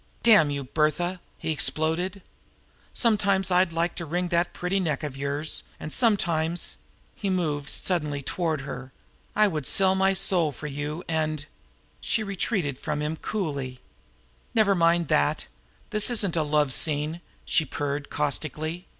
"Damn you, Bertha!" he exploded. "Sometimes I'd like to wring that pretty neck of yours; and sometimes!" he moved suddenly toward her "I would sell my soul for you, and " She retreated from him coolly. "Never mind about that! This isn't a love scene!" she purred caustically.